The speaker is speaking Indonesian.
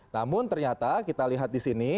namun ternyata kita lihat di sini